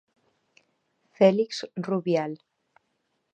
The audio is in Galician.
Félix Rubial.